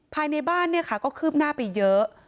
ภายในบ้านก็คืบหน้าไปเยอะ